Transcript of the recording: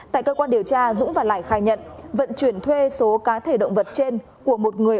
tại cơ quan điều tra dũng và lải khai nhận vận chuyển thuê số cá thể động vật trên của một người